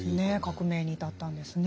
革命に至ったんですね。